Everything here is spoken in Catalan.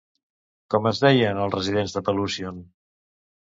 Com es deien els residents de Pelúsion?